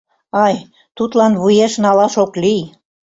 «Ай, тудлан вуеш налаш ок лий.